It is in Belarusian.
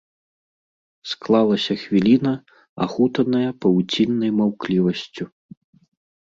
Склалася хвіліна, ахутаная павуціннай маўклівасцю.